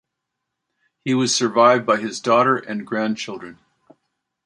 He was survived by his daughter and grandchildren.